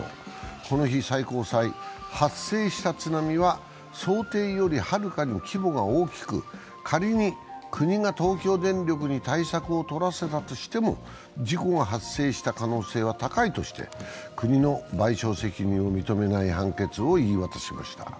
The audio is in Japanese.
この日、最高裁は発生した津波は想定よりはるかに規模が大きく、仮に国が東京電力に対策をとらせたとしても事故が発生した可能性は高いとして国の賠償責任を認めない判決を言い渡しました。